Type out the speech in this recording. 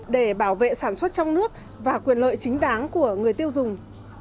để bảo vệ sản xuất trong nước và quyền lợi chính đáng của người tiêu dùng